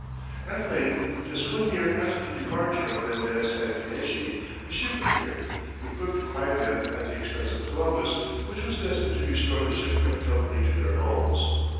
At length, just one year after the departure of Mendez and Fieschi, a ship appeared, equipped by them at the expense of Columbus, which was destined to restore the shipwrecked company to their homes.